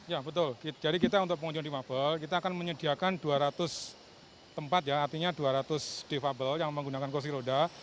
ya betul jadi kita untuk pengunjung difabel kita akan menyediakan dua ratus tempat ya artinya dua ratus defable yang menggunakan kursi roda